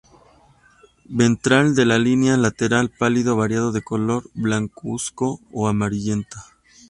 Ventral de la línea lateral pálido, variando de color blancuzco a amarillento.